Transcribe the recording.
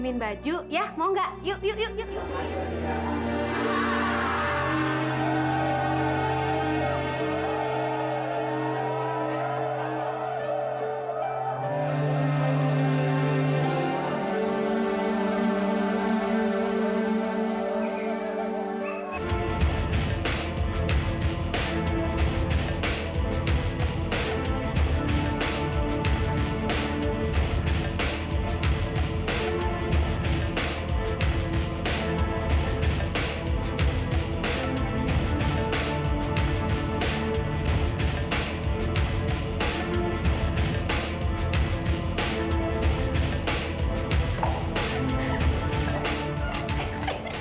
beach datangnya belum mulai